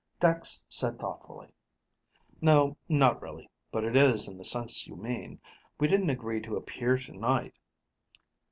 Dex said thoughtfully, "No, not really, but it is in the sense you mean. We didn't agree to appear tonight.